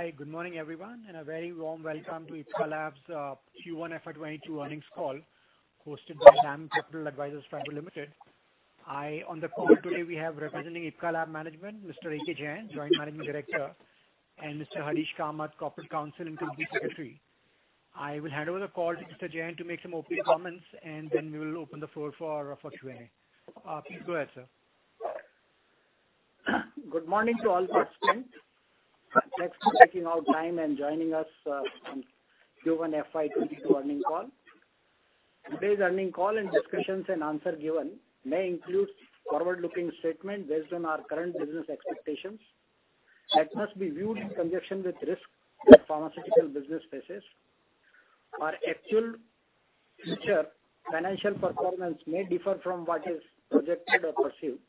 Hi, good morning, everyone, and a very warm welcome to Ipca Labs Q1 FY 2022 Earnings Call hosted by DAM Capital Advisors Limited. On the call today we have representing Ipca Labs management, Mr. A.K. Jain, Joint Managing Director, and Mr. Harish Kamath, Corporate Counsel and Company Secretary. I will hand over the call to Mr. Jain to make some opening comments, and then we will open the floor for Q&A. Please go ahead, sir. Good morning to all participants. Thanks for taking out time and joining us on Q1 FY 2022 Earnings Call. Today's earnings call and discussions and answer given may include forward-looking statement based on our current business expectations that must be viewed in conjunction with risk that pharmaceutical business faces. Our actual future financial performance may differ from what is projected or perceived.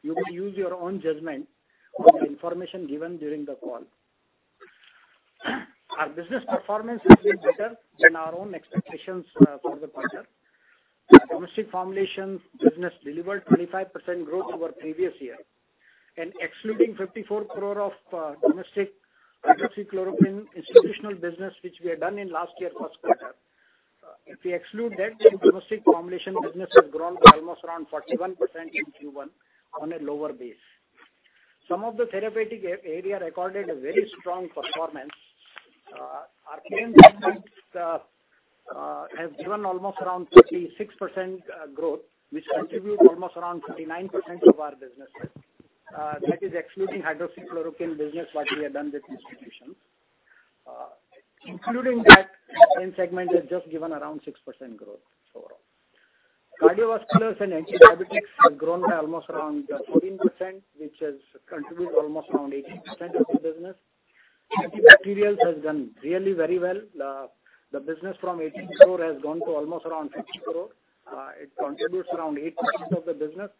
You will use your own judgment on the information given during the call. Our business performance has been better than our own expectations for the quarter. Domestic formulation business delivered 25% growth over previous year. Excluding 54 crore of domestic hydroxychloroquine institutional business, which we have done in last year first quarter, if we exclude that, then domestic formulation business has grown by almost around 41% in Q1 on a lower base. Some of the therapeutic area recorded a very strong performance. Our pain segments have given almost around 36% growth, which contributes almost around 39% of our businesses. That is excluding hydroxychloroquine business, what we have done with institutions. Including that segment has just given around 6% growth overall. Cardiovascular and Antidiabetics have grown by almost around 14%, which has contributed almost around 18% of the business. Antibacterial has done really very well. The business from 18 crore has gone to almost around 50 crore. It contributes around 8% of the business.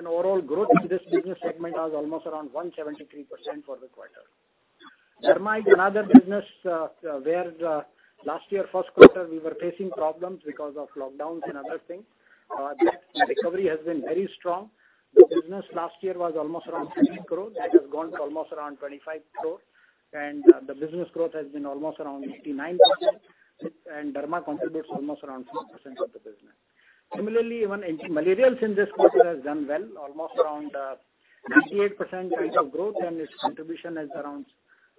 Overall growth in this business segment has almost around 173% for the quarter. Derma is another business where last year first quarter we were facing problems because of lockdowns and other things. That recovery has been very strong. The business last year was almost around 13 crore. That has gone to almost around 25 crore. The business growth has been almost around 89%. Derma contributes almost around 4% of the business. Similarly, even anti-malarial in this quarter has done well, almost around 98% kind of growth. Its contribution is around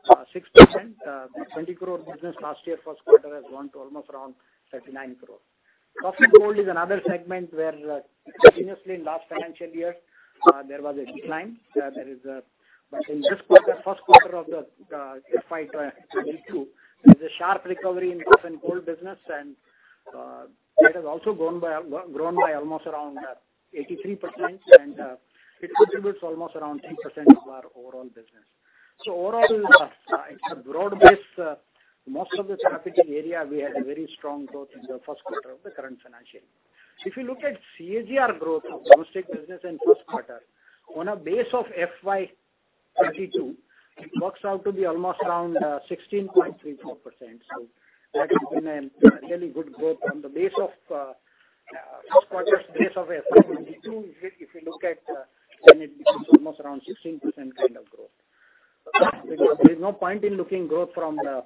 6%. The 20 crore business last year first quarter has gone to almost around 39 crore. Cough and cold is another segment where continuously in last financial year there was a decline. In this first quarter of the FY 2022, there's a sharp recovery in cough and cold business. That has also grown by almost around 83%. It contributes almost around 3% of our overall business. Overall, it's a broad base. Most of the therapeutic area, we had a very strong growth in the first quarter of the current financial year. If you look at CAGR growth of domestic business in Q1, on a base of FY 2022, it works out to be almost around 16.34%. That has been a really good growth. On the base of Q1 base of FY 2022, if you look at, then it becomes almost around 16% kind of growth. There's no point in looking growth from the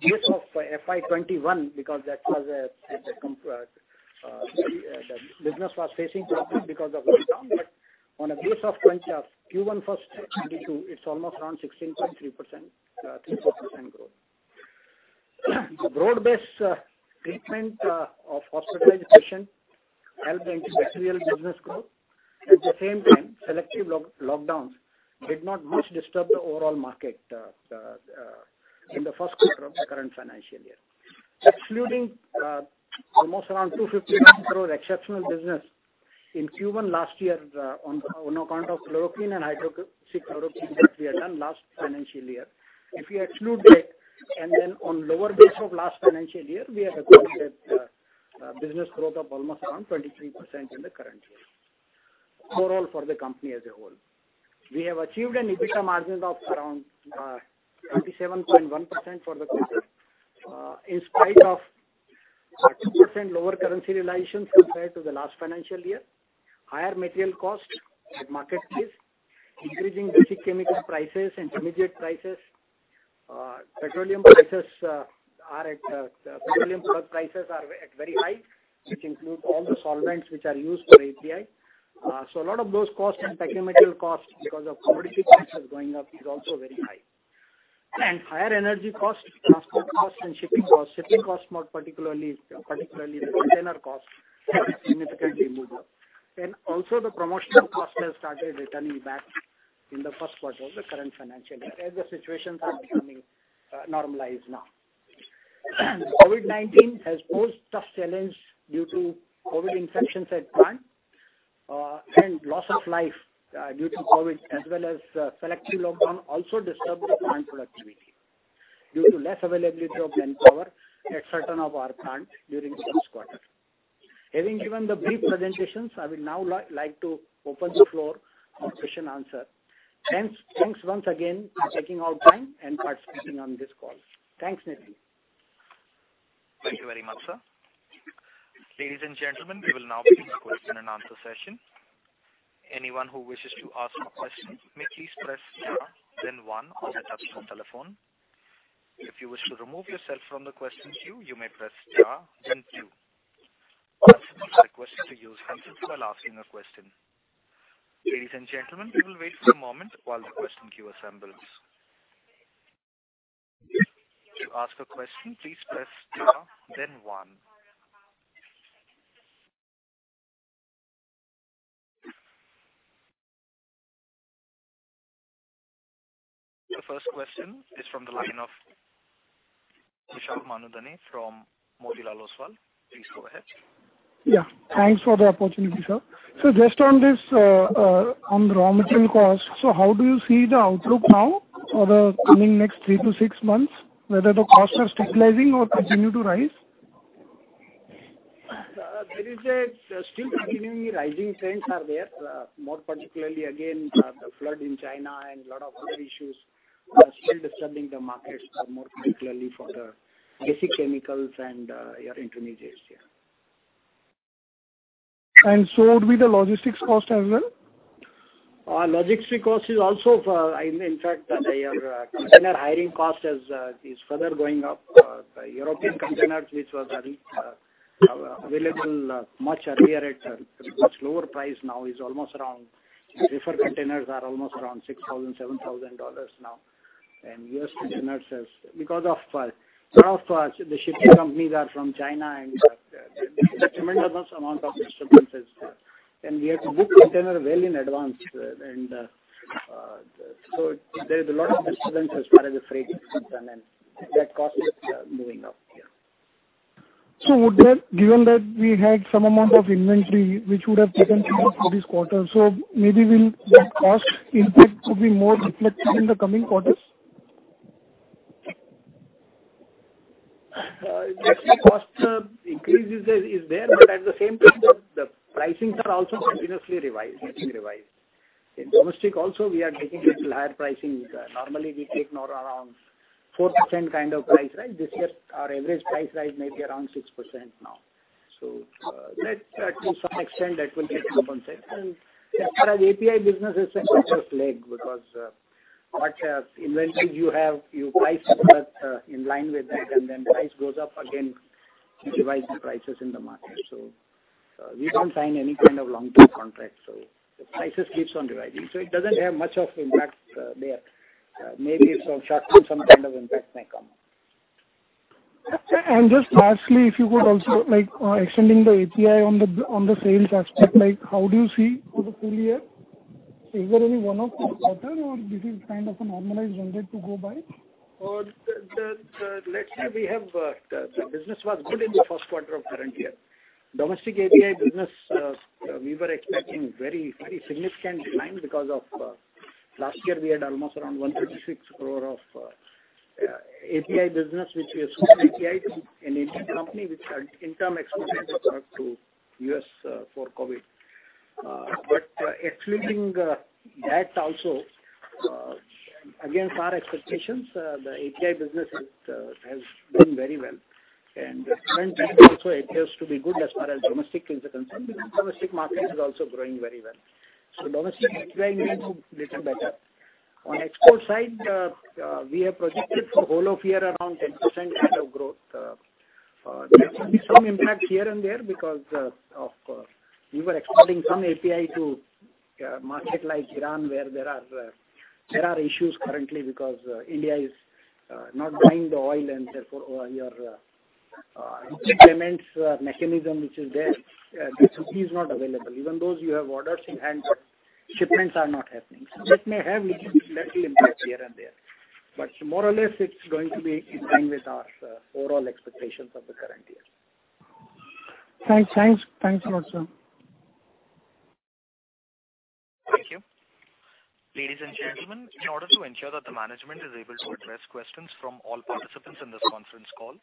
base of FY 2021 because the business was facing problems because of lockdown. On a base of Q1 FY 2022, it's almost around 16.34% growth. Broad-based treatment of hospitalized patient helped the antibacterial business growth. At the same time, selective lockdowns did not much disturb the overall market in Q1 of the current financial year. Excluding almost around 259 crore exceptional business in Q1 last year on account of chloroquine and hydroxychloroquine that we had done last financial year. If you exclude that, on lower base of last financial year, we have recorded business growth of almost around 23% in the current year, overall for the company as a whole. We have achieved an EBITDA margin of around 27.1% for the quarter, in spite of 2% lower currency realization compared to the last financial year, higher material cost with market risk, increasing basic chemical prices, intermediate prices. Petroleum product prices are at very high, which include all the solvents which are used for API. A lot of those costs and technical costs, because of commodity prices going up, is also very high, and higher energy cost, transport cost, and shipping cost. Shipping cost, more particularly the container cost, has significantly moved up. Also the promotional cost has started returning back in the first quarter of the current financial year, as the situations are becoming normalized now. COVID-19 has posed tough challenge due to COVID infections at plant, and loss of life due to COVID, as well as selective lockdown also disturbed the plant productivity due to less availability of manpower at certain of our plants during this quarter. Having given the brief presentations, I will now like to open the floor for question and answer. Thanks once again for taking out time and participating on this call. Thanks, Nitin. Thank you very much, sir. Ladies and gentlemen, we will now begin the question and answer session. Anyone who wishes to ask a question may please press star, then one on their touch-tone telephone. If you wish to remove yourself from the question queue, you may press star, then two. Participants are requested to use hands-up while asking a question. Ladies and gentlemen, we will wait for a moment while the question queue assembles. To ask a question, please press star, then one. The first question is from the line of Tushar Manudhane from Motilal Oswal. Please go ahead. Yeah. Thanks for the opportunity, sir. Just on this, on the raw material cost, so how do you see the outlook now for the coming next three to six months, whether the costs are stabilizing or continue to rise? There is still continually rising trends are there. More particularly, again, the flood in China and lot of other issues are still disturbing the markets, more particularly for the basic chemicals and your intermediates. Yeah. Would be the logistics cost as well? Logistics cost is also, in fact, the container hiring cost is further going up. The European containers, which was available much earlier at a much lower price, now reefer containers are almost around $6,000-$7,000 now and U.S. containers as well. Because a lot of the shipping companies are from China, and there is a tremendous amount of disturbances there. We have to book container well in advance. There's a lot of disturbance as far as the freight is concerned, and that cost is moving up. Yeah. Given that we had some amount of inventory, which would have taken through for this quarter, maybe will the cost impact could be more reflected in the coming quarters? Actually, cost increases is there, but at the same time, the pricings are also continuously getting revised. In domestic also, we are taking little higher pricing. Normally, we take around 4% price rise. This year, our average price rise may be around 6% now. To some extent, that will get compensated. As far as API business is a virtuous leg, because what inventory you have, you price goods in line with that, and then price goes up again, you revise the prices in the market. We don't sign any kind of long-term contract, so the prices keeps on revising. It doesn't have much of impact there. Maybe some kind of impact may come. Just lastly, if you could also extending the API on the sales aspect, how do you see for the full year? Is there any one-off pattern or this is kind of a normalized trend rate to go by? Let's say the business was good in the first quarter of current year. Domestic API business, we were expecting very significant decline because of last year we had almost around 156 crore of API business, which we sold API to an Indian company, which are interim exported the product to U.S. for COVID-19. Excluding that also, against our expectations, the API business has done very well. The current year also appears to be good as far as domestic is concerned because domestic market is also growing very well. Domestic API business little better. On export side, we have projected for whole of year around 10% kind of growth. There will be some impact here and there because we were exporting some API to market like Iran, where there are issues currently because India is not buying the oil, and therefore your rupee payments mechanism which is there, that rupee is not available. Even though you have orders in hand, shipments are not happening. That may have little impact here and there. More or less, it's going to be in line with our overall expectations of the current year. Thanks a lot, sir. Thank you. Ladies and gentlemen, in order to ensure that the management is able to address questions from all participants in this conference call,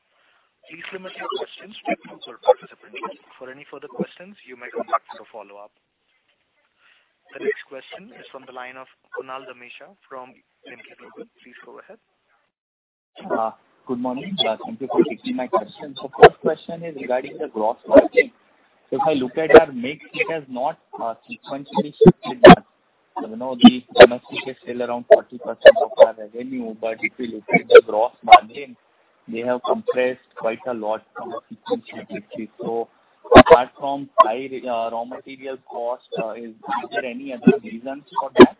please limit your questions to one per participant. For any further questions, you may contact for follow-up. The next question is from the line of Kunal Dhamesha from Emkay Global. Please go ahead. Good morning. Thank you for taking my question. First question is regarding the gross margin. If I look at your mix, it has not substantially shifted, that the domestic is still around 40% of our revenue. If you look at the gross margin, they have compressed quite a lot on a sequential basis so apart from high raw material cost, is there any other reasons for that?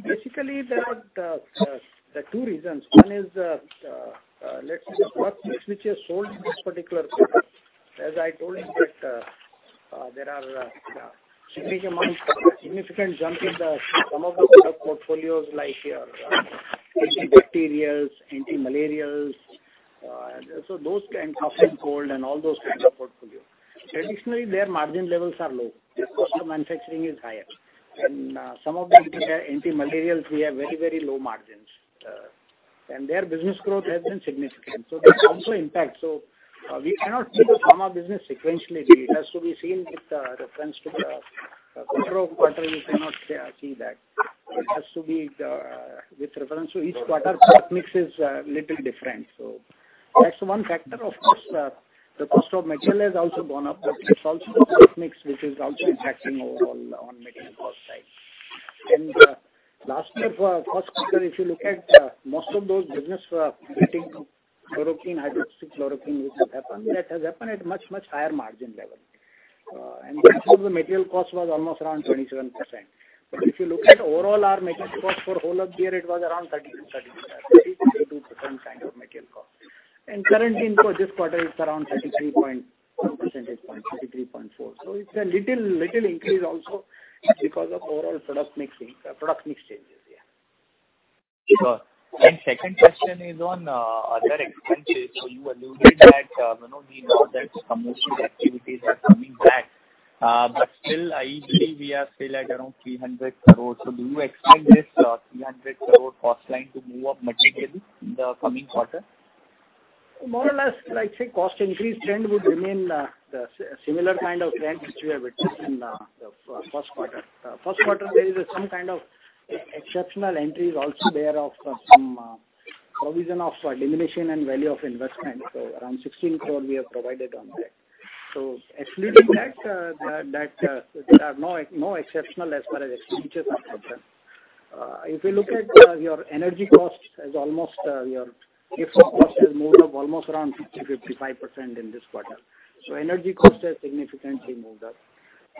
Basically, there are two reasons. One is, let's say the product mix which is sold in this particular quarter. As I told you that there are significant jump in some of the product portfolios like your Antibacterials, Antimalarials, and cough and cold, and all those type of portfolio. Traditionally, their margin levels are low. Their cost of manufacturing is higher. Some of these, like antimalarials, we have very low margins. Their business growth has been significant. That also impacts. We cannot see the pharma business sequentially. It has to be seen with the reference to the quarter-over-quarter. You cannot see that. It has to be with reference to each quarter. Product mix is a little different. That's one factor. Of course, the cost of material has also gone up. It's also the product mix, which is also impacting overall on material cost side. Last year, first quarter, if you look at most of those business were getting chloroquine, hydroxychloroquine, which has happened, that has happened at much, much higher margin level. Margin of the material cost was almost around 27%. If you look at overall our material cost for whole of the year, it was around 32% kind of material cost. Currently, for this quarter, it's around 33%-33.4%. It's a little increase also because of overall product mix changes, yeah. Sure. Second question is on other expenses. You alluded that you know that commercial activities are coming back. Still, I believe we are still at around 300 crores. Do you expect this 300 crore cost line to move up materially in the coming quarter? More or less, I'd say cost increase trend would remain a similar kind of trend which we have witnessed in the first quarter. First quarter, there is some kind of exceptional entries also there of some provision of diminution and value of investment. Around 16 crore we have provided on that. Excluding that, there are no exceptional as far as expenses are concerned. If you look at your energy costs, your gas cost has moved up almost around 50%, 55% in this quarter. Energy costs has significantly moved up.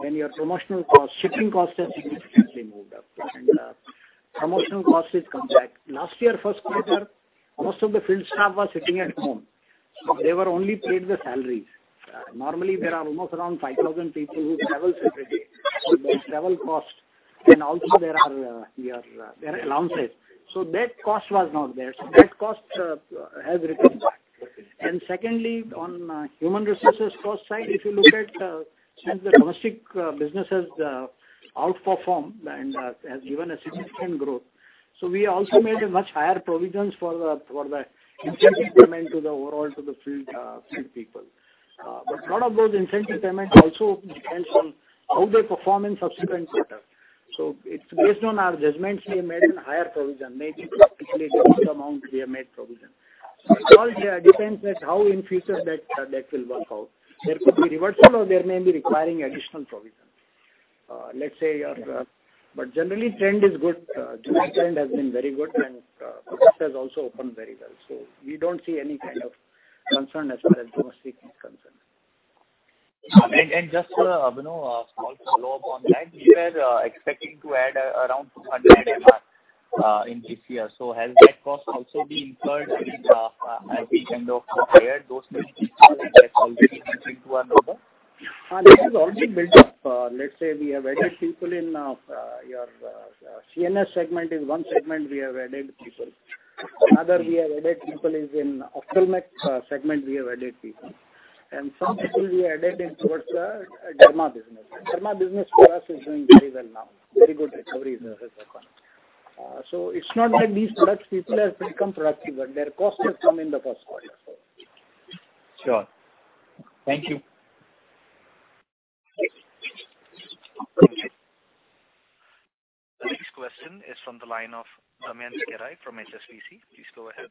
Your shipping costs has significantly moved up. Promotional costs has come back. Last year, first quarter, most of the field staff was sitting at home. They were only paid the salaries. Normally, there are almost around 5,000 people who travel separately. There's travel cost, and also there are your allowances. That cost was not there. That cost has returned back. Secondly, on human resources cost side, if you look at since the domestic business has outperformed and has given a significant growth. We also made a much higher provisions for the incentive payment to the field people. Lot of those incentive payments also depends on how they perform in subsequent quarter. It's based on our judgments, we made a higher provision, maybe significantly lesser amount we have made provision. It all depends on how in future that will work out. There could be reversal or there may be requiring additional provision. Generally, trend has been very good and focus has also opened very well. We don't see any kind of concern as far as domestic is concerned. Just a small follow-up on that. You were expecting to add around 200 MRs in this year. Has that cost also been incurred as we kind of hired those 50 people, that's already entering to our model? That has already built up. Let's say, we have added people in your CNS segment is one segment we have added people. Another we have added people is in ophthalmic segment, we have added people. Some people we added in towards the derma business. Derma business for us is doing very well now. Very good recovery has happened. It's not that these products people have become productive, but their cost has come in the first quarter. Sure. Thank you. Okay. The next question is from the line of Damayanti Kerai from HSBC. Please go ahead.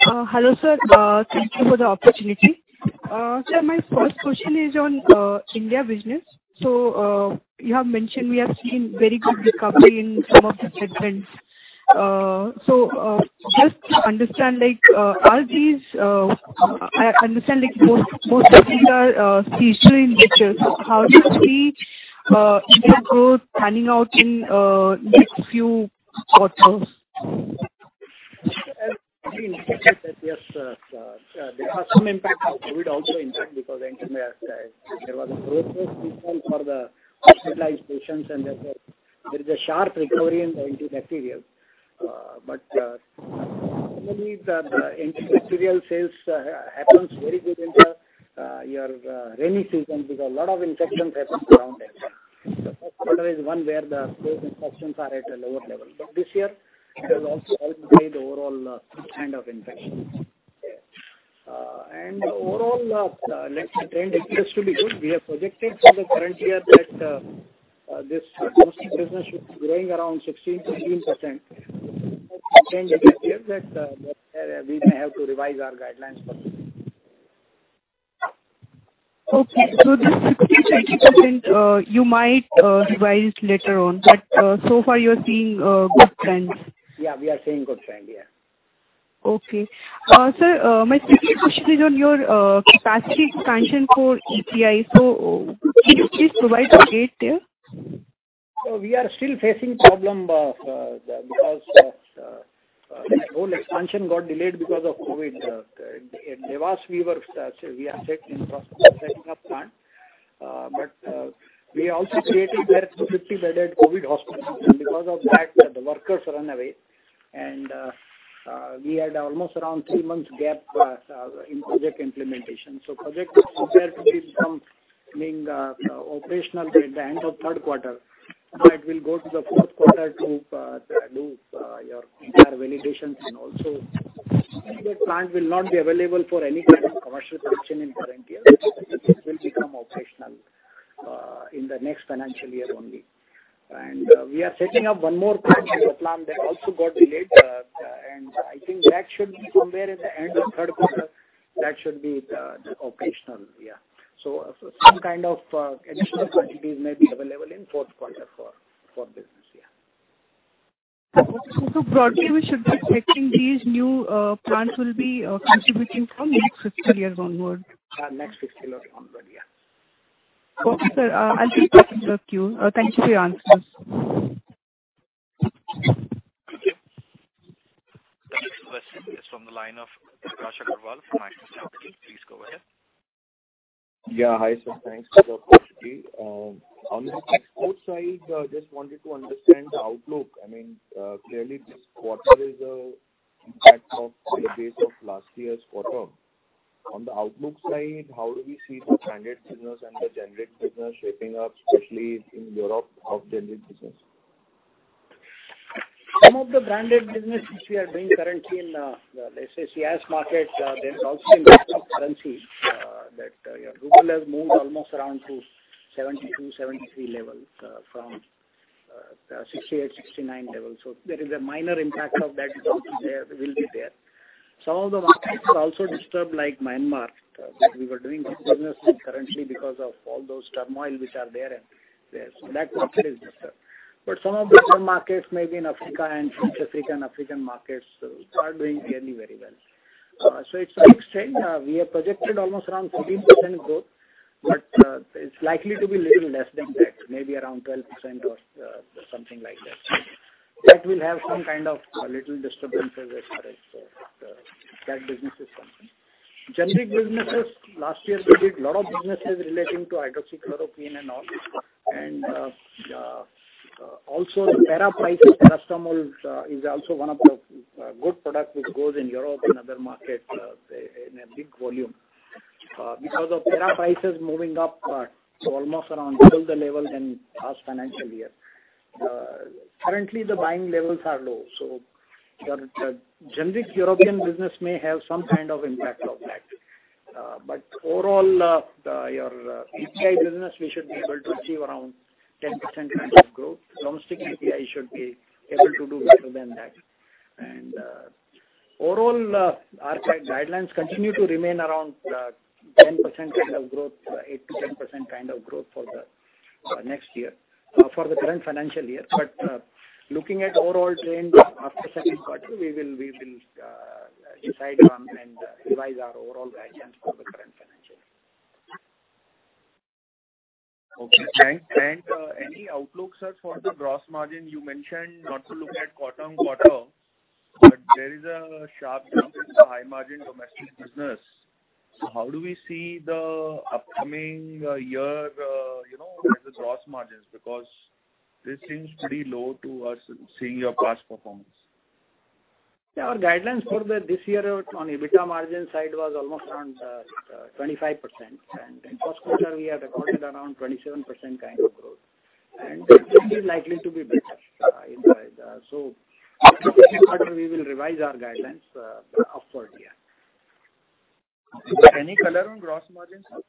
Hello, sir. Thank you for the opportunity. Sir, my first question is on India business. You have mentioned we have seen very good recovery in some of the segments. I understand both of these are seasonal in nature. How do you see India growth panning out in next few quarters? We indicated that, yes, there was some impact of COVID also impact because there was a great risk involved for the hospitalized patients, and there is a sharp recovery in the antibacterial. Normally, the antibacterial sales happens very good in your rainy season because a lot of infections happens around that time. The first quarter is one where those infections are at a lower level. This year, it has also helped by the overall kind of infections. Overall, trend is still good. We have projected for the current year that this domestic business should be growing around 16%-18%. Change in the year that we may have to revise our guidelines for that. Okay. This 16%-18%, you might revise later on but so far you're seeing good trends? Yeah, we are seeing good trend. Yeah. Okay. Sir, my second question is on your capacity expansion for API. Could you please provide update there? We are still facing problem because this whole expansion got delayed because of COVID-19. In Dewas, we are set in process of setting up plant. We also created there 250-bedded COVID-19 hospital system. Because of that, the workers run away, and we had almost around three months gap in project implementation. Project was supposed to be Being operational by the end of the third quarter. We'll go to the fourth quarter to do your entire validation and also the plant will not be available for any kind of commercial production in the current year. It will become operational in the next financial year only. We are setting up one more plant that also got delayed, and I think that should be somewhere in the end of third quarter. That should be operational. Some kind of additional quantities may be available in the fourth quarter for business. Broadly, we should be expecting these new plants will be contributing from next fiscal year onwards? Next fiscal year onward. Okay, sir. I will go back in the queue. Thank you for your answers. Thank you. The next question is from the line of Prakash Agarwal from Axis Capital. Please go ahead. Yeah. Hi, sir. Thanks for the opportunity. On the export side, just wanted to understand the outlook. Clearly, this quarter is an impact of the base of last year's quarter. On the outlook side, how do we see the branded business and the generic business shaping up, especially in Europe, of generic business? Some of the branded businesses we are doing currently in, let's say, CIS market, there is also impact of currency, that Ruble has moved almost around to 72-73 level from 68-69 level. There is a minor impact of that also will be there. Some of the markets are also disturbed like Myanmar, that we were doing good business in currently because of all those turmoil which are there. That market is disturbed. Some of the other markets, maybe in Africa and North African markets are doing fairly very well. It's a mix trend. We have projected almost around 14% growth, but it's likely to be little less than that, maybe around 12% or something like that. That will have some kind of little disturbances as far as that business is concerned. Generic businesses, last year we did lot of businesses relating to hydroxychloroquine and all. Also the Para prices. Paracetamol is also one of the good product which goes in Europe and other markets in a big volume. Because of para prices moving up to almost around double the level than last financial year. Currently, the buying levels are low. The generic European business may have some kind of impact of that. Overall, your API business, we should be able to achieve around 10% kind of growth. Domestic API should be able to do better than that. Overall, our guidelines continue to remain around 10% kind of growth, 8%-10% kind of growth for the next year, for the current financial year. Looking at overall trends after second quarter, we will decide on and revise our overall guidance for the current financial year. Okay, thanks. Any outlook, sir, for the gross margin? You mentioned not to look at quarter-on-quarter, there is a sharp jump in the high-margin domestic business. How do we see the upcoming year as gross margins? This seems pretty low to us, seeing your past performance. Our guidelines for this year on EBITDA margin side was almost around 25%, and in first quarter we had recorded around 27% kind of growth. This is likely to be better. After second quarter we will revise our guidelines upward. Any color on gross margin, sir?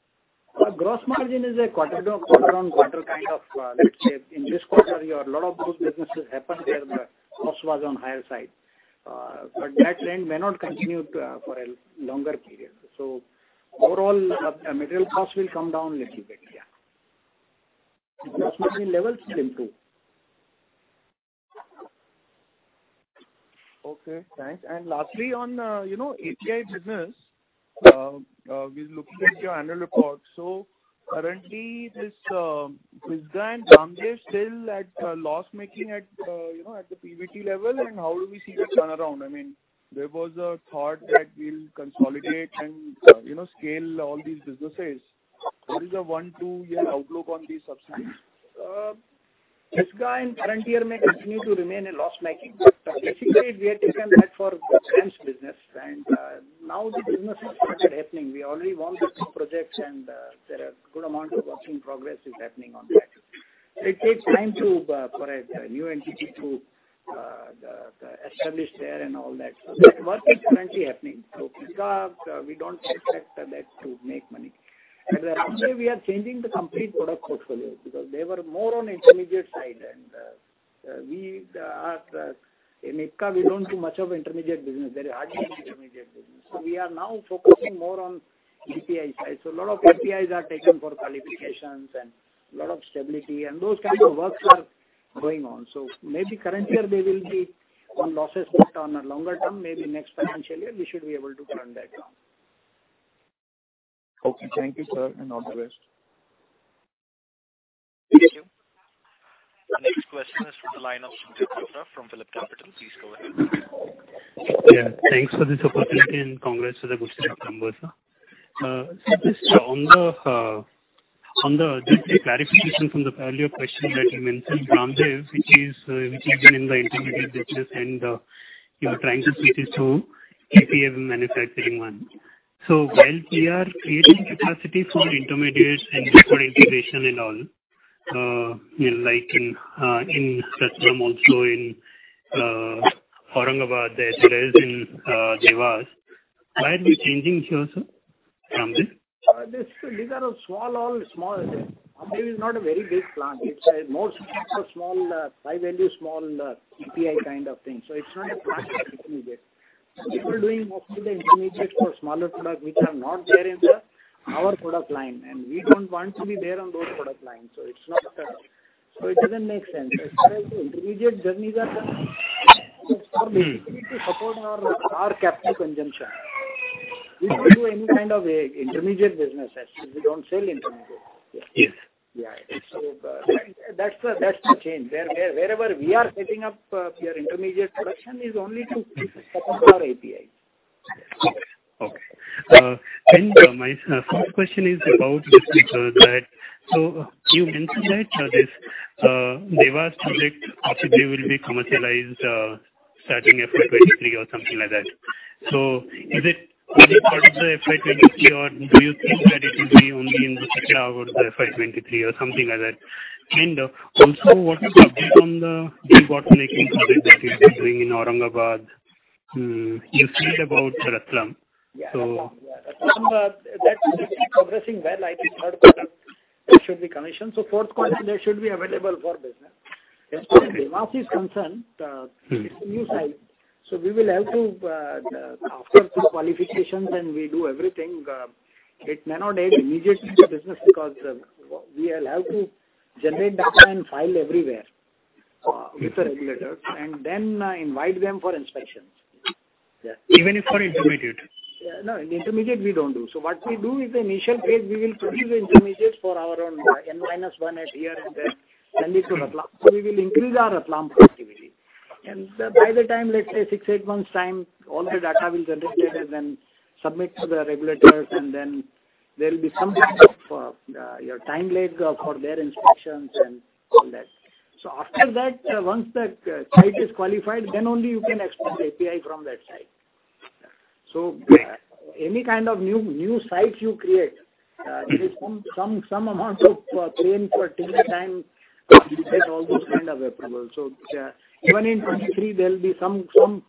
Gross margin is a quarter-on-quarter kind of, let's say, in this quarter here, a lot of good businesses happened where the cost was on higher side. That trend may not continue for a longer period. Overall, material cost will come down little bit. Gross margin levels will improve. Okay, thanks. Lastly, on API business, we're looking at your annual report. Currently, this Pisgah and Ramdev is still at loss-making at the PBT level. How do we see the turnaround? There was a thought that we'll consolidate and scale all these businesses. What is the one-two year outlook on these subsidiaries? Pisgah in current year may continue to remain a loss-making. Basically, we had taken that for France business, and now the business has started happening. We already won the two projects, and there are good amount of work in progress is happening on that. It takes time for a new entity to establish there and all that. That work is currently happening. Pisgah, we don't expect that to make money. Ramdev, we are changing the complete product portfolio because they were more on intermediate side. In Ipca, we don't do much of intermediate business. There is hardly any intermediate business. We are now focusing more on API side. Lot of APIs are taken for qualifications and lot of stability and those kind of works are going on. Maybe current year they will be on losses but on a longer term, maybe next financial year, we should be able to turn that around. Okay. Thank you, sir, and all the best. Thank you. The next question is from the line of Surya Patra from PhillipCapital. Please go ahead. Yeah, thanks for this opportunity and congrats for the good second quarter, sir. Sir, just a clarification from the earlier question that you mentioned Ramdev, which is in the intermediate business and you're trying to switch this to API manufacturing one. While we are creating capacity for intermediates and for integration and all, like in Ratlam, also in Aurangabad, there is in Dewas. Why are we changing here, sir, from this? These are all small. Ramdev is not a very big plant. It's more suited for high-value, small API kind of things. It's not a intermediate. People doing mostly the intermediates for smaller products which are not there in our product line, and we don't want to be there on those product lines. It doesn't make sense. As far as the intermediate journeys are concerned, it's more basically to support our capital consumption. We don't do any kind of intermediate business as such. We don't sell intermediates. Yes. Yeah. That's the change. Wherever we are setting up your intermediate production is only to support our API. Okay. My first question is about this, that you mentioned that this Dewas project possibly will be commercialized starting FY 2023 or something like that. Is it part of the FY 2023, or do you think that it will be only in the second half of the FY 2023 or something like that? Also, what is the update on the bottlenecking project that you were doing in Aurangabad? You said about Ratlam. Yeah. Ratlam, that's actually progressing well. I think third quarter it should be commissioned. Fourth quarter, that should be available for business. As far as Dewas is concerned, it's a new site. We will have to, after three qualifications and we do everything, it may not aid immediately to business because we'll have to generate data and file everywhere with the regulators, and then invite them for inspections. Yeah. Even if for intermediate? In intermediate we don't do. What we do is the initial phase, we will produce intermediates for our own and -1 at here and there, send it to Ratlam. We will increase our Ratlam productivity. By the time, let's say six, eight months time, all the data will generate there, then submit to the regulators, and then there'll be some kind of your time lag for their inspections and all that. After that, once that site is qualified, then only you can export the API from that site. Any kind of new sites you create, there is some amount of pain for a period of time to get all those kind of approvals. Even in 2023, that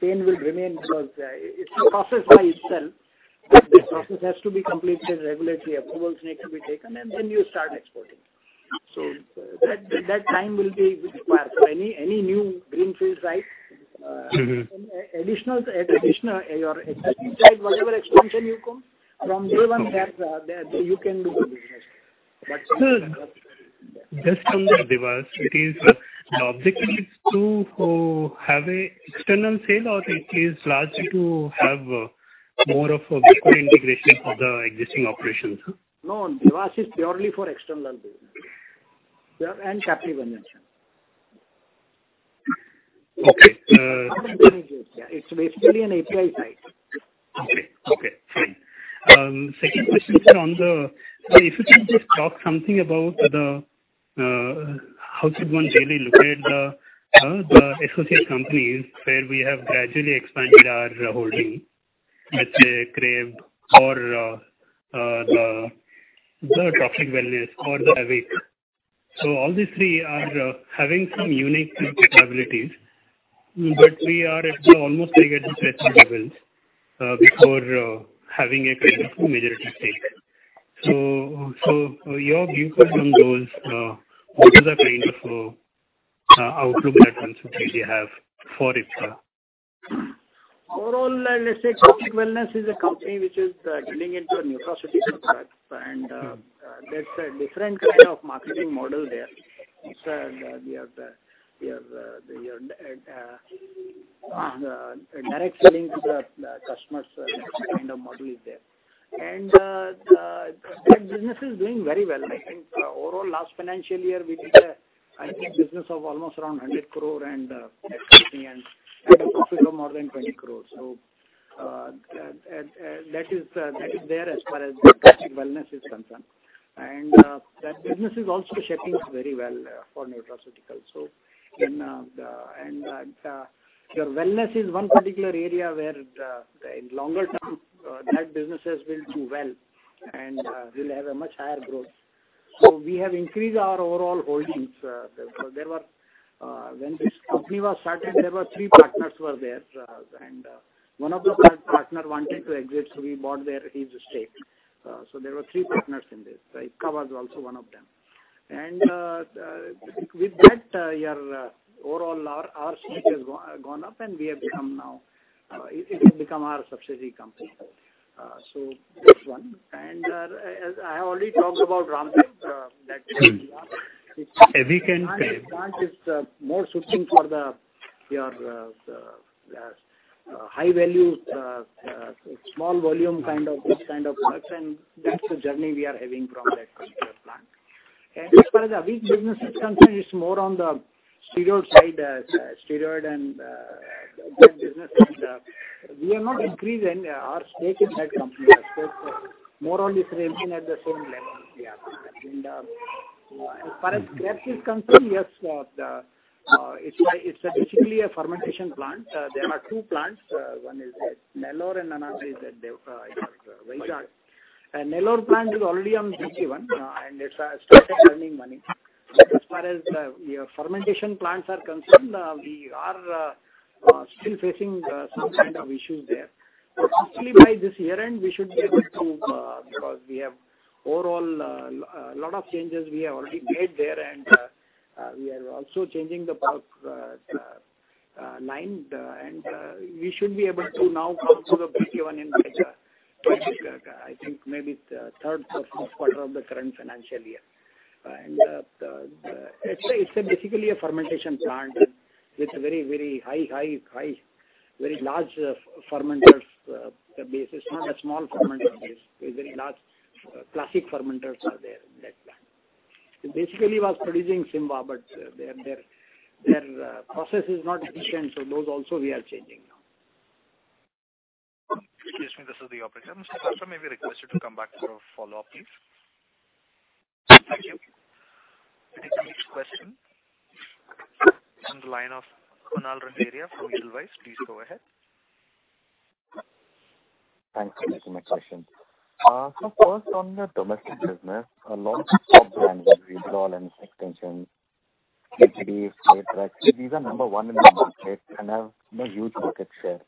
pain will remain because it's a process by itself. This process has to be completed, regulatory approvals need to be taken, you start exporting. That time will be required. Any new greenfield site. Additional, your existing site, whatever expansion you come, from day one there, you can do the business. Just on the Dewas, the objective is to have an external sale, or it is largely to have more of a backward integration for the existing operations? No, Dewas is purely for external business, and capital consumption. Okay. No intermediates. Yeah, it's basically an API site. Okay. Fine. Second question, sir, if you can just talk something about the, how should one really look at the associate companies where we have gradually expanded our holding, let's say CRAM or the Trophic Wellness or the Avik. All these three are having some unique capabilities, but we are at the almost negligible levels before having a kind of a majority stake. Your view from those, what is the kind of outlook or consistency we have for Ipca? Overall, let's say Trophic Wellness is a company which is dealing into nutraceutical products, there's a different kind of marketing model there. It's your direct selling to the customers kind of model is there. That business is doing very well. I think overall last financial year, we did a, I think, business of almost around 100 crore and net profit of more than 20 crores. That is there as far as Trophic Wellness is concerned. That business is also shaping up very well for nutraceutical. Your wellness is one particular area where, in longer term, that business has been doing well and will have a much higher growth. We have increased our overall holdings. When this company was started, there were three partners were there, one of the partner wanted to exit, we bought his stake. There were three partners in this. Ipca was also one of them. With that, overall our stake has gone up, and it has become our subsidiary company. That's one. As I have already talked about Ramdev, that Avik and CRAM. Plant is more suiting for your high value, small volume kind of this kind of products, and that's the journey we are having from that particular plant. As far as the Avik business is concerned, it's more on the steroid side, steroid. We have not increased our stake in that company. Our stake more or less remains at the same level, yeah. As far as Krebs is concerned, yes, it's basically a fermentation plant. There are two plants. One is at Nellore, and another is at Vizag. Nellore plant is already on breakeven and it has started earning money. As far as your fermentation plants are concerned, we are still facing some kind of issues there. Hopefully, by this year-end, we should be able to because we have overall a lot of changes we have already made there, and we are also changing the line. We should be able to now come to the breakeven in Vizag, which is, I think, maybe the third or fourth quarter of the current financial year. It's basically a fermentation plant with very large fermenters base. It's not a small fermenter base. It's very large. Classic fermenters are there in that plant. It basically was producing Simmba, but their process is not efficient, so those also we are changing now. Excuse me. This is the operator. Mr. Patra, may we request you to come back for a follow-up, please. Thank you. We take the next question from the line of Kunal Randeria from Edelweiss. Please go ahead. Thanks for taking my question. First, on the domestic business, a lot of brands like Zerodol and extensions, CTD, Folitrax, these are number one in the market and have huge market share.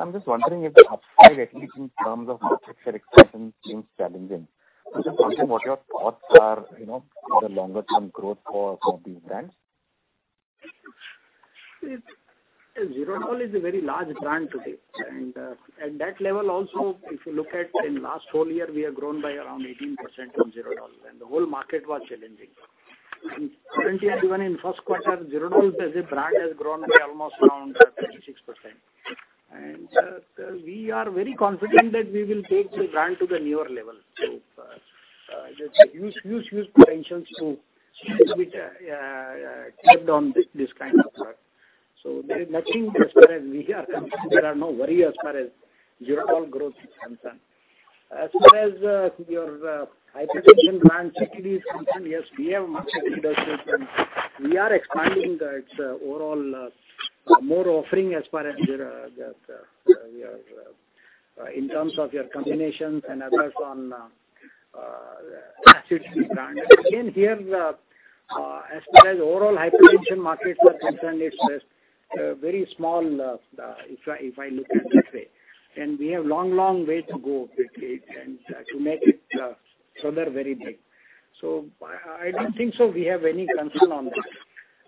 I'm just wondering if the upside, at least in terms of market share expansion, seems challenging. I'm just wondering what your thoughts are for the longer-term growth for some of these brands. Zerodol is a very large brand today. At that level also, if you look at in last whole year, we have grown by around 18% on Zerodol, and the whole market was challenging. Currently, even in first quarter, Zerodol as a brand has grown by almost around 26%. We are very confident that we will take the brand to the newer level. There's huge potential to keep on this kind of work. There's nothing as far as we are concerned. There are no worry as far as Zerodol growth is concerned. As far as your hypertension brand, CTD, is concerned, yes, we are expanding its overall more offering in terms of your combinations and others on CTD brand. Again, here, as far as overall hypertension markets are concerned, it's very small if I look at it that way. We have long way to go with it and to make it further very big. I don't think so we have any concern on that.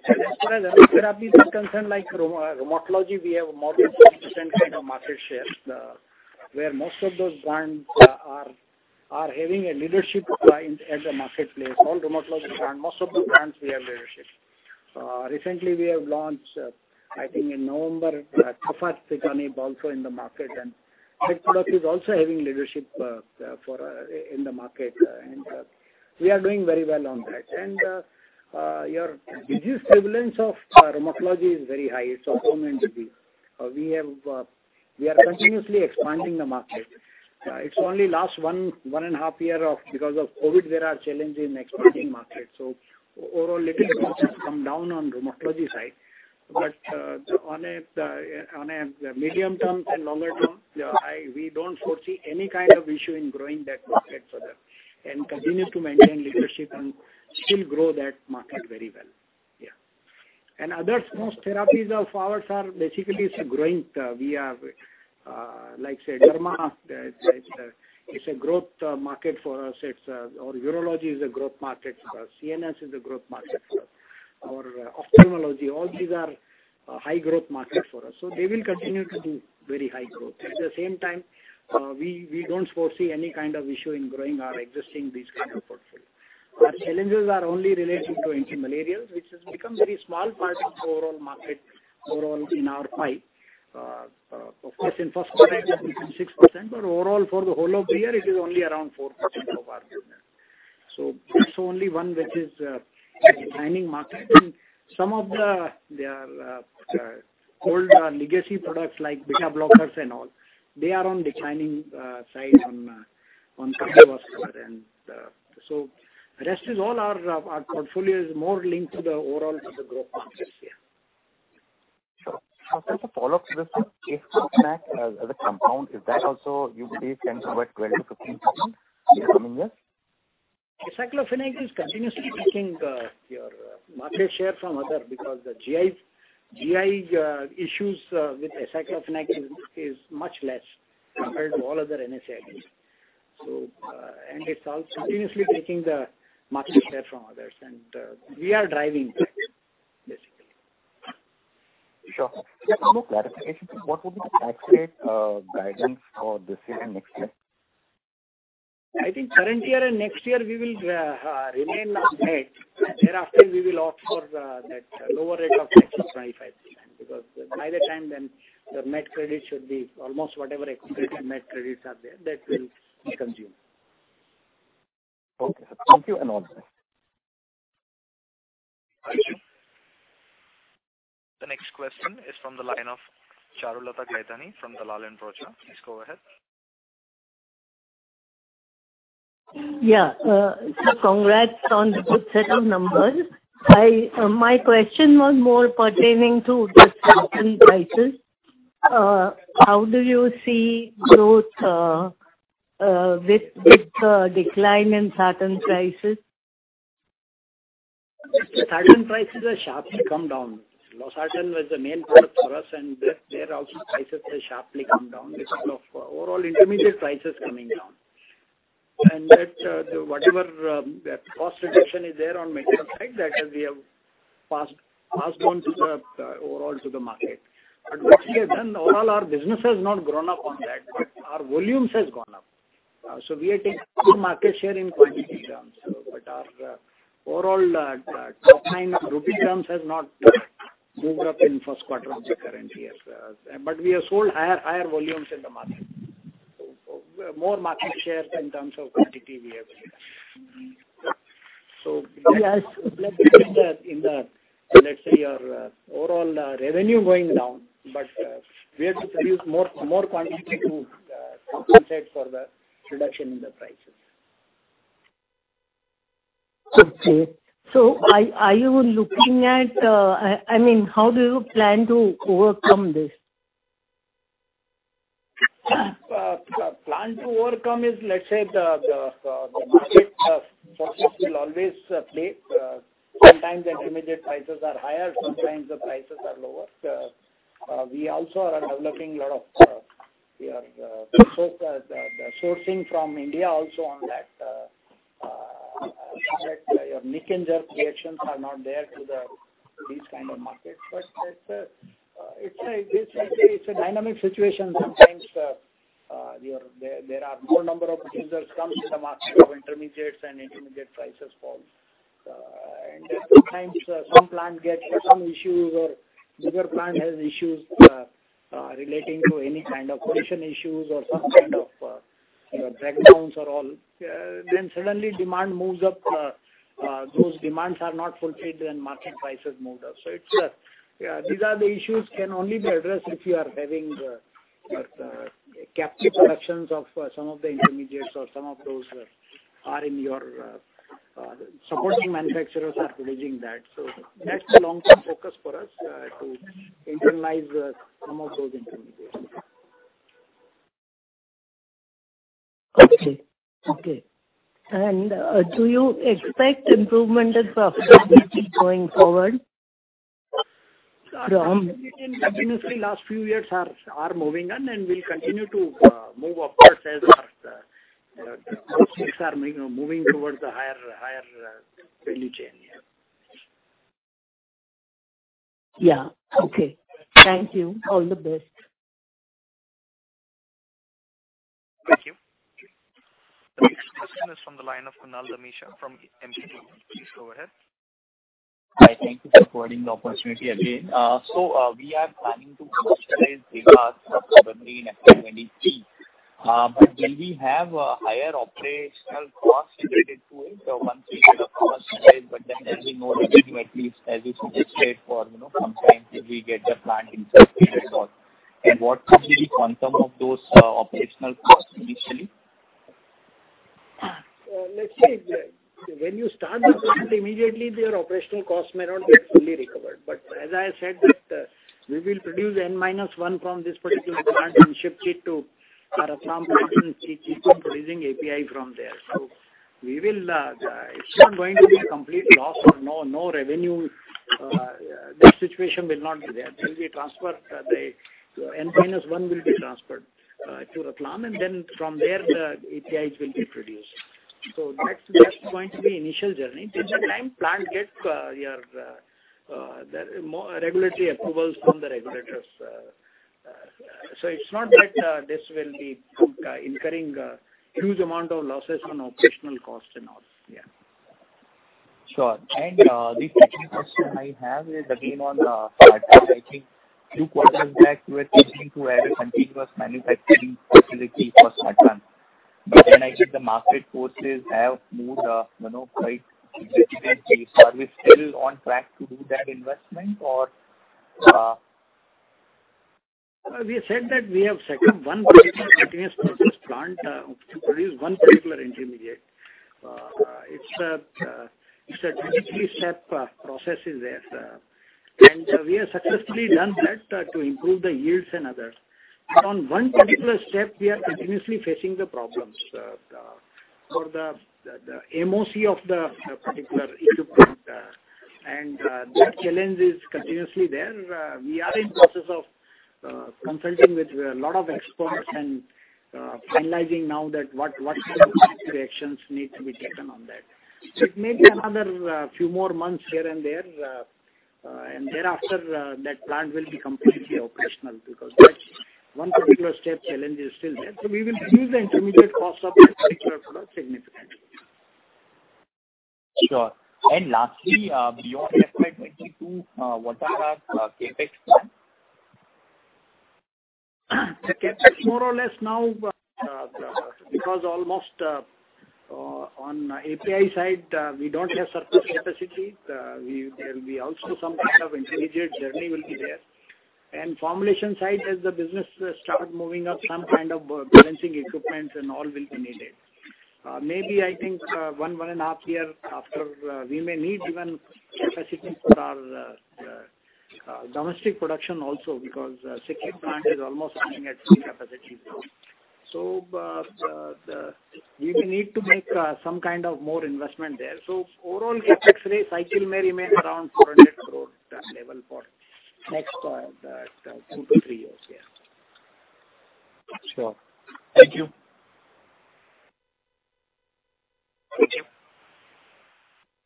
As far as other therapies are concerned, like rheumatology, we have more than 20% kind of market share, where most of those brands are having a leadership at the marketplace. All rheumatology brand, most of those brands we have leadership. Recently, we have launched, I think in November, also in the market, and that product is also having leadership in the market, and we are doing very well on that. Your disease prevalence of rheumatology is very high. It's a common disease. We are continuously expanding the market. It's only last one and a half year because of COVID, there are challenge in expanding market. Overall, little growth has come down on rheumatology side. On a medium term and longer term, we don't foresee any kind of issue in growing that market further and continue to maintain leadership and still grow that market very well. Yeah. Others, most therapies of ours are basically growing. Like, say, derma, it's a growth market for us. Urology is a growth market. CNS is a growth market for us. Ophthalmology, all these are high growth market for us. They will continue to do very high growth. At the same time, we don't foresee any kind of issue in growing our existing these kind of portfolio. Our challenges are only relating to antimalarials, which has become very small part of overall market, overall in our pie. Of course, in first quarter, it was 26%, overall, for the whole of the year, it is only around 4% of our business. That's only one which is a declining market. Some of their old legacy products like beta blockers and all, they are on declining side on sales also. Rest is all our portfolio is more linked to the overall to the growth markets, yeah. Sure. Just a follow-up to this, sir. aceclofenac as a compound, is that also you believe can convert 20%-15% in coming years? Aceclofenac is continuously taking your market share from other because the GI issues with aceclofenac is much less compared to all other NSAIDs. It's all continuously taking the market share from others, and we are driving that basically. Sure. Just a little clarification, please. What would be the tax rate guidance for this year and next year? I think current year and next year, we will remain on net. Thereafter, we will opt for that lower rate of tax of 25% because by the time then the net credit should be almost whatever accumulated net credits are there that will consume. Okay. Thank you, and all the best. The next question is from the line of Charulata Gaidhani from Dalal & Broacha. Please go ahead. Congrats on the good set of numbers. My question was more pertaining to the Sartan prices. How do you see growth with the decline in Sartan prices? Sartan prices have sharply come down. Losartan was the main product for us, there also prices have sharply come down because of overall intermediate prices coming down. Whatever cost reduction is there on manufacturing, that we have passed on overall to the market. Luckily, then overall our business has not grown up on that, but our volumes has gone up. We have taken good market share in quantity terms, but our overall topline on rupee terms has not moved up in first quarter of the current year. We have sold higher volumes in the market. More market share in terms of quantity we have. Yes, let's say, your overall revenue going down, but we have to produce more quantity to compensate for the reduction in the prices. Okay. How do you plan to overcome this? Plan to overcome is, let's say, the market forces will always play. Sometimes the intermediate prices are higher, sometimes the prices are lower. We also are sourcing from India also on that. Some of your knee-jerk reactions are not there to these kind of markets. Basically, it's a dynamic situation. Sometimes there are more number of producers come to the market of intermediates, intermediate prices fall. Sometimes some plant gets some issues or the other plant has issues relating to any kind of pollution issues or some kind of drag downs or all. Suddenly demand moves up. Those demands are not fulfilled, market prices move up. These are the issues can only be addressed if you are having captive productions of some of the intermediates or some of those are in your supporting manufacturers are producing that. That's the long-term focus for us, to internalize some of those intermediates. Okay. Do you expect improvement in profitability going forward? Profitability in the last few years are moving, and will continue to move upwards as our associates are moving towards the higher value chain. Yeah. Yeah. Okay. Thank you. All the best. Thank you. The next question is from the line of Kunal Dhamesha from Emkay Global. Please go ahead. Hi. Thank you for providing the opportunity again. We are planning to commercialize Dewas probably in FY 2023. Will we have higher operational costs related to it once we get a cost base, there will be no revenue, at least as you suggested, for some time till we get the plant in full speed and so on. What could be the quantum of those operational costs initially? Let's say, when you start the plant, immediately their operational costs may not get fully recovered. As I said, that we will produce n-1 from this particular plant and shift it to our Atlanta plant and keep on producing API from there. It's not going to be a complete loss or no revenue. That situation will not be there. n-1 will be transferred to Atlanta, and then from there the APIs will be produced. That's going to be initial journey. Till the time plant gets regulatory approvals from the regulators. It's not that this will be incurring huge amount of losses on operational costs and all. Yeah. Sure. The second question I have is again on Sartan. I think two quarters back you were looking to add a continuous manufacturing facility for Sartan. I think the market forces have moved quite significantly. Are we still on track to do that investment? We said that we have set up one particular continuous process plant to produce one particular intermediate. It's a technically set process is there. We have successfully done that to improve the yields and others. On one particular step, we are continuously facing the problems for the MOC of the particular equipment. That challenge is continuously there. We are in process of consulting with a lot of experts and finalizing now that what kind of reactions need to be taken on that. It may be another few more months here and there, and thereafter, that plant will be completely operational, because that one particular step challenge is still there. We will reduce the intermediate cost of that particular product significantly. Sure. Lastly, beyond FY 2022, what are our CapEx plans? The CapEx more or less now, because almost on API side, we don't have surplus capacity. There will be also some kind of intermediate journey will be there. Formulation side, as the business start moving up, some kind of balancing equipment and all will be needed. Maybe I think one and a half years after, we may need even capacity for our domestic production also, because Sikkim plant is almost running at full capacity now. We may need to make some kind of more investment there. Overall CapEx cycle may remain around INR 400 crore level for next two-three years. Sure. Thank you. Thank you.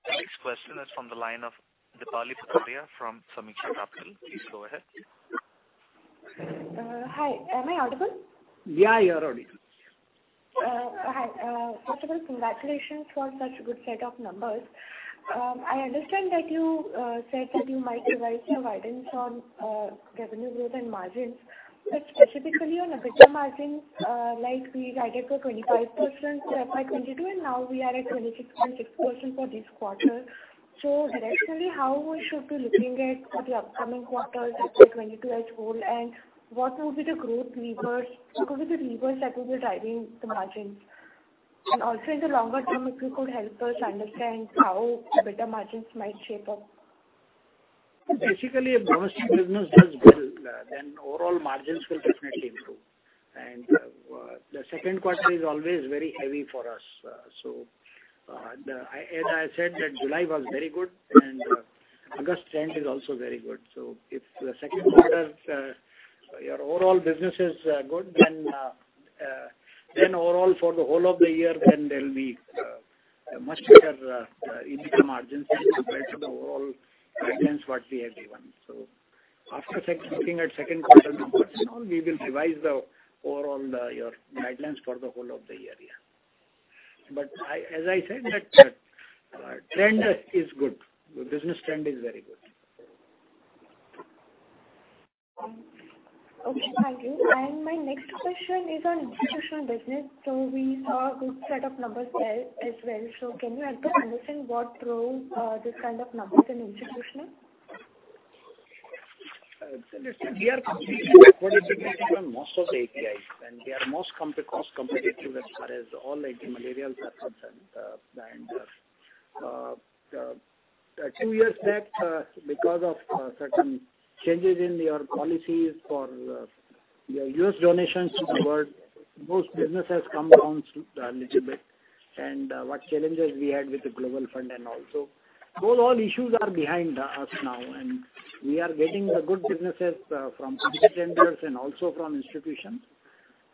The next question is from the line of Dipali Patadiya from Sameeksha Capital. Please go ahead. Hi, am I audible? Yeah, you're audible. Hi. First of all, congratulations for such a good set of numbers. I understand that you said that you might revise your guidance on revenue growth and margins, but specifically on EBITDA margins, like we guided for 25% for FY 2022, and now we are at 26.6% for this quarter. Directionally, how we should be looking at for the upcoming quarters, FY 2022 as whole, and what will be the growth levers? What will be the levers that will be driving the margins? Also in the longer term, if you could help us understand how EBITDA margins might shape up. Basically, if domestic business does well, then overall margins will definitely improve. The second quarter is always very heavy for us. As I said that July was very good, and August trend is also very good. If the second quarter your overall business is good, then overall for the whole of the year, then there'll be much better EBITDA margins as compared to the overall guidance what we have given. After looking at second quarter numbers and all, we will revise the overall guidelines for the whole of the year. As I said, that trend is good. The business trend is very good. Okay. Thank you. My next question is on institutional business. We saw good set of numbers there as well. Can you help to understand what drove this kind of numbers in institutional? Listen, we are completely competitive on most of APIs, and we are most cost-competitive as far as all active materials are concerned. Two years back, because of certain changes in your policies for your U.S. donations to the world, those business has come down a little bit, and what challenges we had with the Global Fund and all. Those all issues are behind us now, and we are getting the good businesses from private vendors and also from institutions.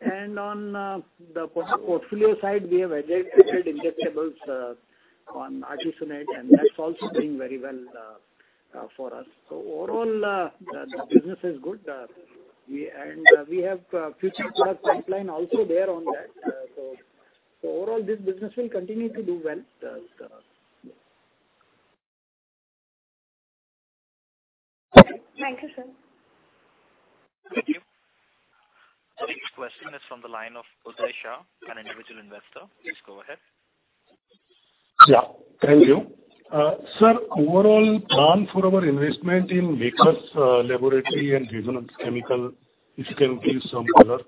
On the portfolio side, we have added injectables on artesunate, and that's also doing very well for us. Overall, the business is good. We have future product pipeline also there on that. Overall, this business will continue to do well. Okay. Thank you, sir. Thank you. The next question is from the line of Uday Shah, an individual investor. Please go ahead. Yeah. Thank you. Sir, overall plan for our investment in Makers Laboratories and Resonance Chemicals, if you can give some color?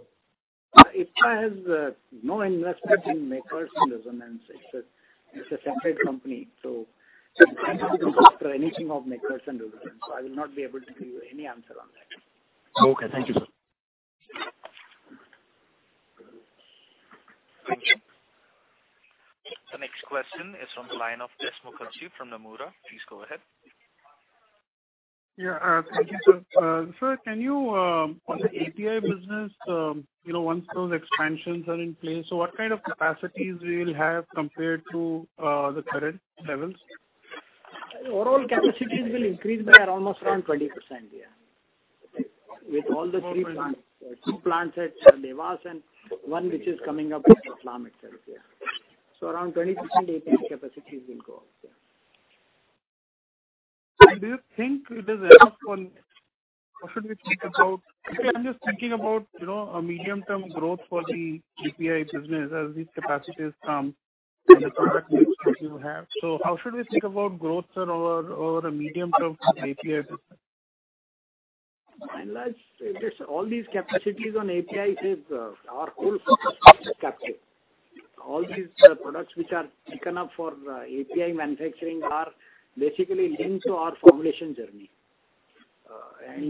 Ipca has no investment in Makers and Resonance. It's a separate company. I don't know anything of Makers and Resonance. I will not be able to give you any answer on that. Okay. Thank you, sir. Thank you. The next question is from the line of S Mukherjee from Nomura. Please go ahead. Yeah. Thank you, sir. Sir, can you, on the API business, once those expansions are in place, what kind of capacities we will have compared to the current levels? Overall capacities will increase by almost around 20%, yeah, with all the three plants: two plants at Dewas and one which is coming up at Ratlam itself, yeah. Around 20% API capacities will go up, yeah. Do you think it is enough for, or should we think about? Actually, I'm just thinking about a medium-term growth for the API business as these capacities come and the product mix that you have. How should we think about growth over a medium-term for API business? All these capacities on API is our whole future product capacity. All these products which are taken up for API manufacturing are basically linked to our formulation journey.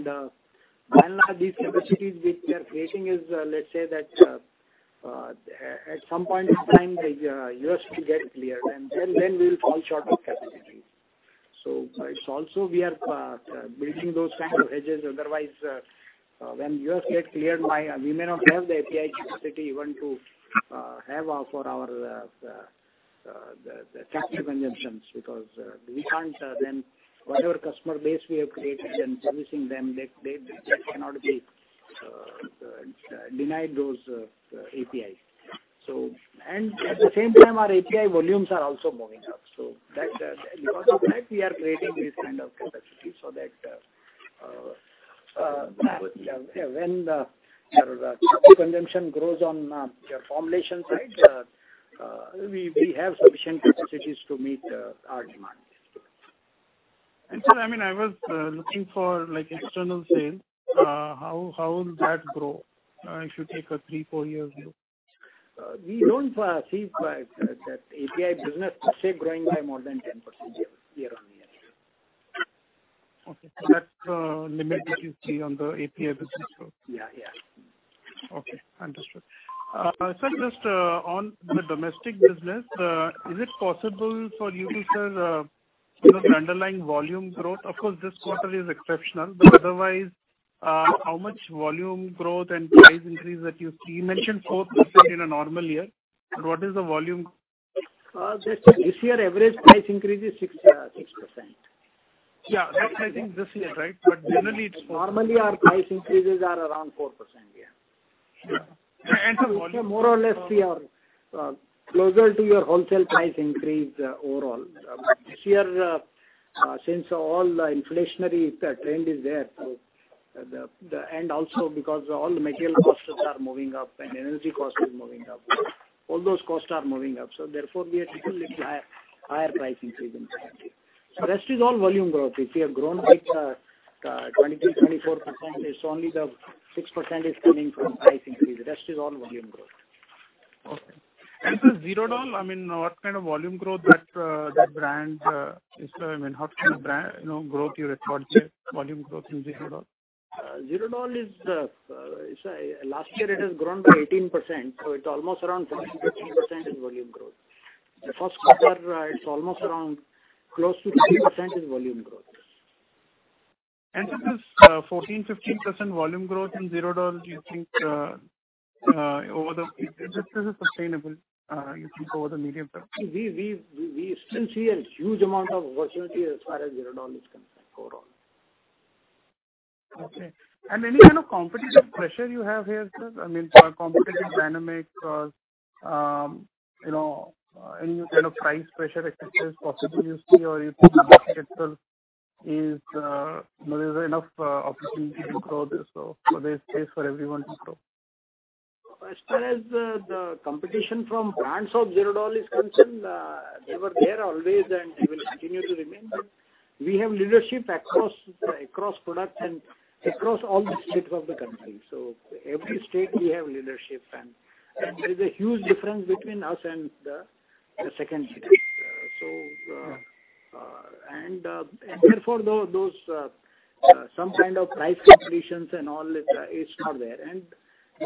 By and large, these capacities which we are creating is, let's say that at some point of time, the U.S. will get cleared, and then we'll fall short of capacity. It's also we are bridging those kind of edges, otherwise, when the U.S. get cleared, we may not have the API capacity even to have for our captive consumptions, because we can't then, whatever customer base we have created and servicing them, they cannot be denied those APIs. At the same time, our API volumes are also moving up. Because of that, we are creating this kind of capacity so that when the consumption grows on the formulation side, we have sufficient capacities to meet our demands. Sir, I was looking for external sales. How will that grow if you take a three, four-year view? We don't see that API business per se growing by more than 10% year-over-year. Okay. That's the limit that you see on the API business growth. Yeah. Okay, understood. Sir, just on the domestic business, is it possible for you to share the underlying volume growth? Of course, this quarter is exceptional, otherwise, how much volume growth and price increase that you see? You mentioned 4% in a normal year. What is the volume? This year average price increase is 6%. Yeah. That I think this year, right? Generally, it is? Normally our price increases are around 4%, yeah. Sure. More or less we are closer to your wholesale price increase overall. This year, since all the inflationary trend is there, and also because all the material costs are moving up and energy cost is moving up. All those costs are moving up, so therefore, we have taken little higher price increase than that. Rest is all volume growth. If we have grown like 23%-24%, it's only the 6% is coming from price increase. The rest is all volume growth. Okay. Sir Zerodol, what kind of volume growth that brand, how kind of growth you expect there, volume growth in Zerodol? Zerodol, last year it has grown by 18%, so it's almost around 14%-15% is volume growth. The first quarter, it's almost around close to 3% is volume growth. Sir this 14%-15% volume growth in Zerodol, do you think this is sustainable, you think over the medium term? We still see a huge amount of volatility as far as Zerodol is concerned, going on. Okay. Any kind of competitive pressure you have here, sir? Competitive dynamics, any kind of price pressure et cetera is possible you see, or you think the market itself there's enough opportunity to grow this. There's space for everyone to grow. As far as the competition from brands of Zerodol is concerned, they were there always and they will continue to remain. We have leadership across products and across all the states of the country. Every state we have leadership, and there is a huge difference between us and the second biggest. Yeah. Therefore, those some kind of price competitions and all, it's not there.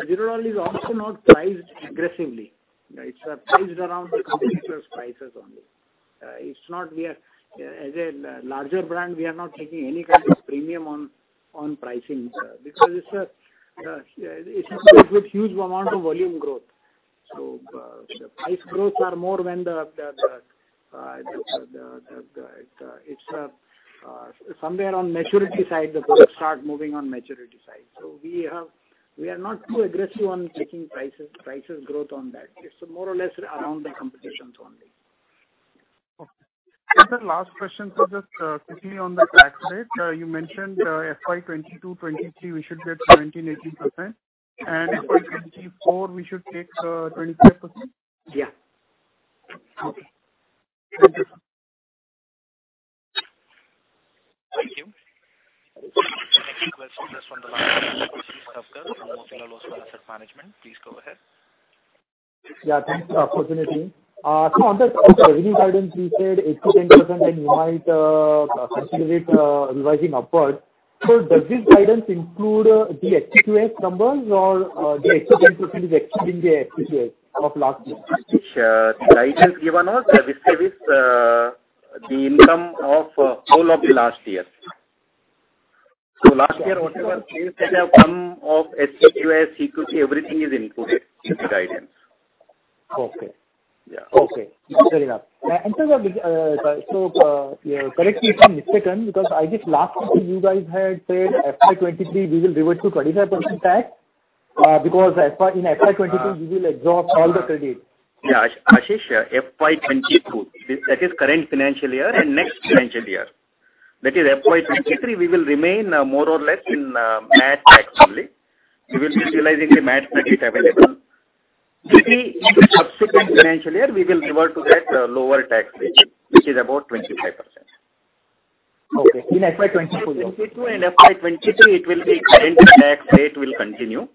Zerodol is also not priced aggressively. It's priced around the competitors' prices only. As a larger brand, we are not taking any kind of premium on pricing because it's a huge amount of volume growth. The price growths are more when it's somewhere on maturity side, the growth start moving on maturity side. We are not too aggressive on taking prices growth on that. It's more or less around the competitions only. Okay. Sir, last question, just quickly on the tax rate. You mentioned FY 2022, FY 2023, we should get 17%-18%, FY 2024 we should take 25%? Yeah. Okay. Thank you, sir. Thank you. Next question is from the line of Ashish Thavkar from Motilal Oswal Asset Management. Please go ahead. Yeah, thanks for the opportunity. On the revenue guidance, you said 8%-10%, and you might consider it revising upwards. Does this guidance include the HCQS numbers or the 8%-10% is excluding the HCQS of last year? Ashish, the guidance given was vis-à-vis the income of whole of the last year. Last year, whatever sales that have come of HCQS, CQP, everything is included in the guidance. Okay. Yeah. Okay. Fair enough. Sir, correct me if I'm mistaken, because I think last year you guys had said FY 2023 we will revert to 25% tax because in FY 2022 we will exhaust all the credit? Yeah. Ashish, FY 2022, that is current financial year and next financial year. That is FY 2023, we will remain more or less in MAT tax only. We will be utilizing the MAT credit available. In subsequent financial year, we will revert to that lower tax regime, which is about 25%. Okay, in FY 2024 you are talking? FY 2022 and FY 2023 it will be current tax rate will continue.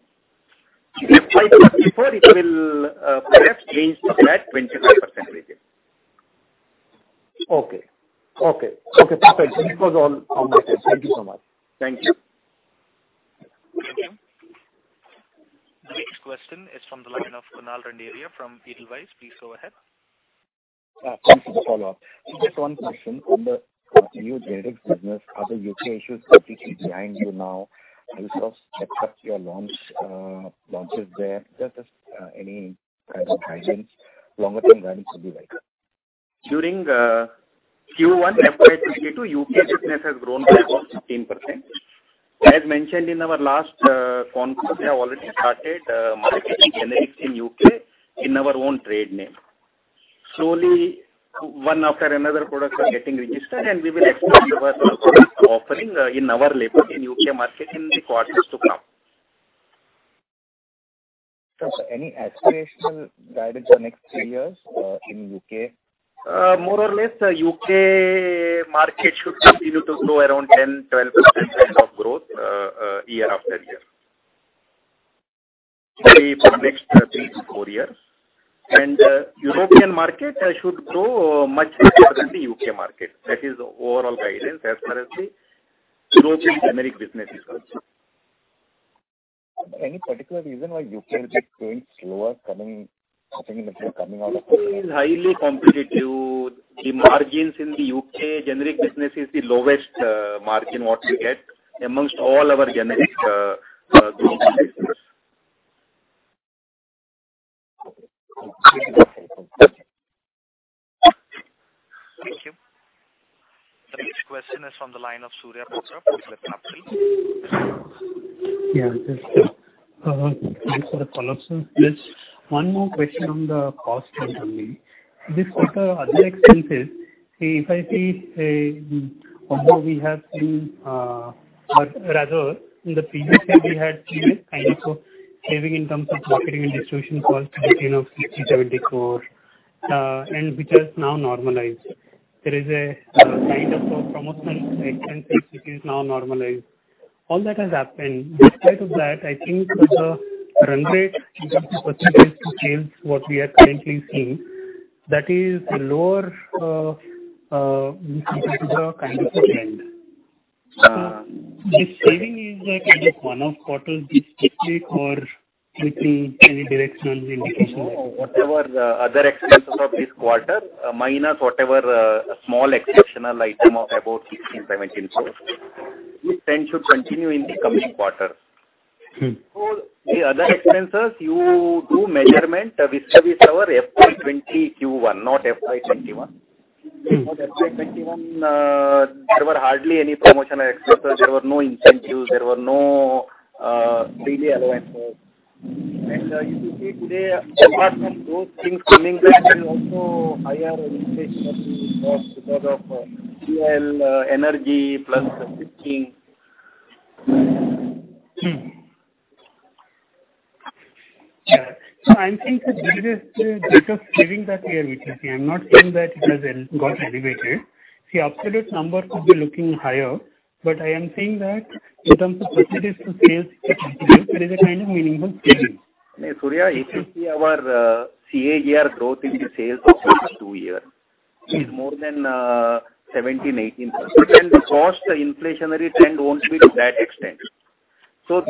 FY 2024 it will perhaps change to that 25% regime. Okay. Perfect. This was all on my side. Thank you so much. Thank you. Thank you. The next question is from the line of Kunal Randeria from Edelweiss. Please go ahead. Thanks for the follow-up. Just one question on the new generics business. Are the U.K. issues completely behind you now? Have you sort of stepped up your launches there? Just any kind of guidance, longer-term guidance would be great. During Q1 FY 2022, U.K. business has grown by about 15%. As mentioned in our last conference call, we have already started marketing generics in U.K. in our own trade name. Slowly, one after another products are getting registered and we will expand our product offering in our label in U.K. market in the quarters to come. Sir, any aspirational guidance for next three years in U.K.? More or less, U.K. market should continue to grow around 10%, 12% of growth year after year. Probably for next three-four years. European market should grow much faster than the U.K. market. That is the overall guidance as far as the European generic business is concerned. Sir, any particular reason why U.K. is growing slower coming out of a sudden? U.K. is highly competitive. The margins in the U.K. generic business is the lowest margin what we get amongst all our generic group businesses. Okay. Thank you. The next question is from the line of Surya Patra from PhillipCapital. Yeah. Thanks for the follow up, sir. Just one more question on the cost front only. This quarter, other expenses, if I see, or rather, in the previous quarter we had seen a kind of saving in terms of marketing and distribution costs to the tune of 60 crore-70 crore, and which has now normalized. There is a kind of promotional expenses which is now normalized. All that has happened. Despite of that, I think the run rate in terms of percentages to sales what we are currently seeing, that is lower compared to the kind of trend. This saving, is a kind of one-off quarter specific or you think any directional indication there? No. Whatever other expenses of this quarter minus whatever small exceptional item of about 16 crore-17 crore, this trend should continue in the coming quarters. The other expenses, you do measurement vis-à-vis our FY 2020 Q1, not FY 2021, because FY 2021 there were hardly any promotional expenses. There were no incentives, there were no daily allowances. If you see today, apart from those things coming back and also higher inflationary cost because of fuel, energy plus switching. I'm saying, sir, this is the rate of saving that we are witnessing. I'm not saying that it has got elevated. The absolute number could be looking higher, but I am saying that in terms of percentages to sales it is a kind of meaningful saving. No, Surya, if you see our CAGR growth in the sales of last two years, is more than 17%-18%. The cost inflationary trend won't be to that extent.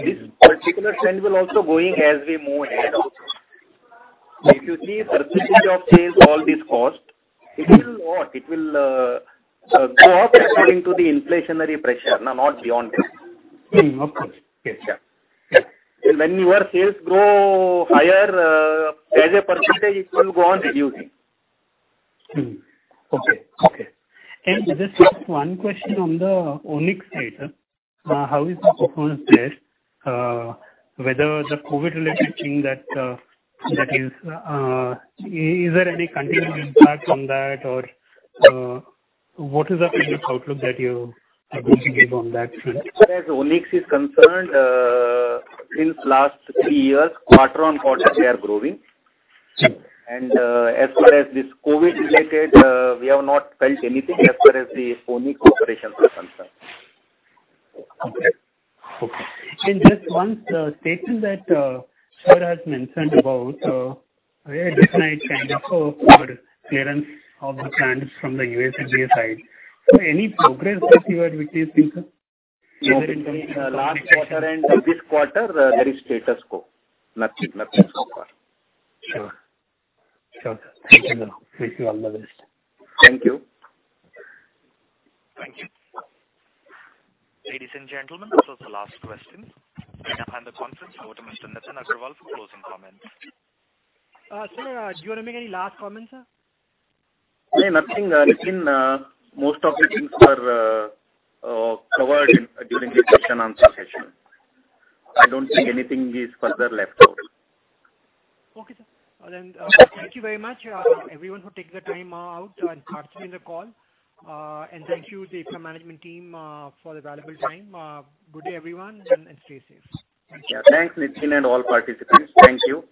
This particular trend will also go as we move ahead also. If you see percentage of sales, all this cost, it will go up according to the inflationary pressure, not beyond that. Of course. Yes, sure. Yeah. When your sales grow higher, as a percentage, it will go on reducing. Okay. Just one question on the Onyx side, sir. How is the performance there? Whether the COVID-related thing, is there any continuing impact from that or what is the kind of outlook that you are going to give on that front? As far as Onyx is concerned, since last three years, quarter-on-quarter, we are growing. As far as this COVID-19-related, we have not felt anything as far as the Onyx operation is concerned. Okay. Just one statement that sir has mentioned about a very definitive kind of clearance of the plant from the USFDA side. Any progress that you are witnessing, sir? Between last quarter and this quarter, there is status quo. Nothing so far. Sure. Thank you, sir. Wish you all the best. Thank you. Thank you. Ladies and gentlemen, this was the last question. We now end the conference. Over to Mr. Nitin Agarwal for closing comments. Sir, do you want to make any last comments, sir? No, nothing. Nitin, most of the things were covered during the question and answer session. I don't think anything is further left out. Okay, sir. Thank you very much everyone who took the time out and participated in the call. Thank you the Ipca management team for the valuable time. Good day, everyone, and stay safe. Thank you. Yeah. Thanks, Nitin, and all participants. Thank you.